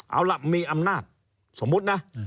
เอาล่ะมีอำนาจสมมุตินะ